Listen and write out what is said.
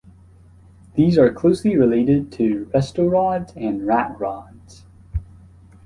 These are closely related to resto rods and rat rods.